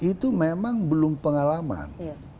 itu memang belum pengalaman